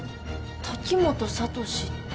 滝本悟志って。